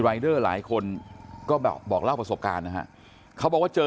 รายเดอร์หลายคนก็แบบบอกเล่าประสบการณ์นะฮะเขาบอกว่าเจอ